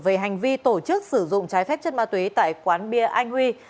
về hành vi tổ chức sử dụng trái phép chất ma túy tại quán bia anh huy